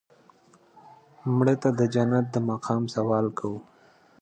مړه ته د جنت د مقام سوال کوو